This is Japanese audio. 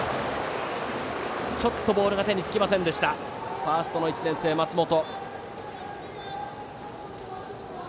ちょっとボールが手につきませんでしたファーストの１年生、松本。